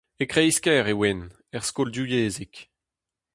E kreiz-kêr e oan, er skol divyezhek.